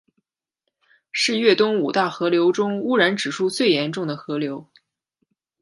是粤东五大河流中污染指数最严重的河流。